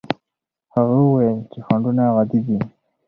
هغه وویل چې خنډونه عادي دي.